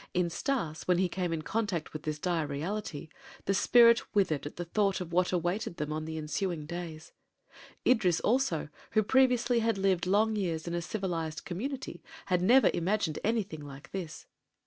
In Stas, when he came in contact with this dire reality, the spirit withered at the thought of what awaited them on the ensuing days. Idris, also, who previously had lived long years in a civilized community, had never imagined anything like this.